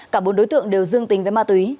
cả bốn đối tượng đều dương tính với ma túy